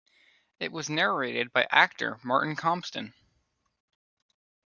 It was narrated by actor Martin Compston.